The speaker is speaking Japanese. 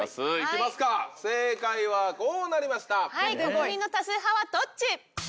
国民の多数派はどっち？